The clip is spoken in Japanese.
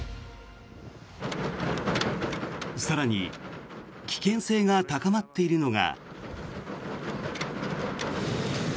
更に危険性が高まっているのが。